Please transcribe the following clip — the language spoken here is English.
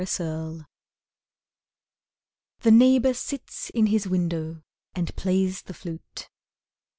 Music The neighbour sits in his window and plays the flute.